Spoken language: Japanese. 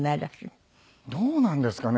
どうなんですかね？